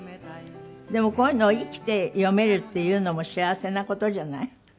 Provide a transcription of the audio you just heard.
でもこういうのを生きて読めるっていうのも幸せな事じゃない？